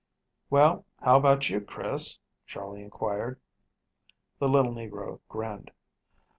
"Well, how about you, Chris?" Charley inquired. The little negro grinned.